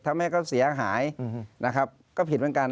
แม่ก็เสียหายนะครับก็ผิดเหมือนกัน